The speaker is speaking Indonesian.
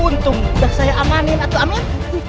untung udah saya amanin atuh amin